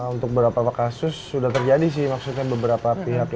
untuk beberapa kasus sudah terjadi sih maksudnya beberapa pihak ya